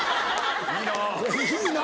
いいな。